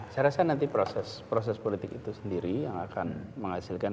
saya rasa nanti proses politik itu sendiri yang akan menghasilkan